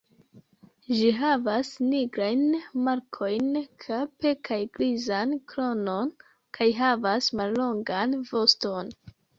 Ĝi havas nigrajn markojn kape kaj grizan kronon kaj havas mallongan voston.